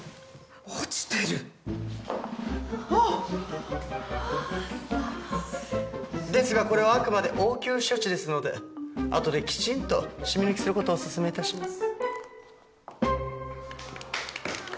落ちてる！ですがこれはあくまで応急処置ですのであとできちんとシミ抜きする事をおすすめ致します。